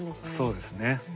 そうですね。